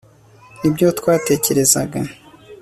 nibyo twatekerezaga